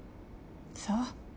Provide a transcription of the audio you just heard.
そう。